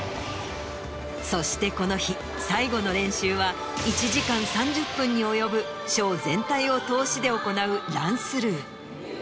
そしてこの日最後の練習は１時間３０分に及ぶショー全体を通しで行うランスルー。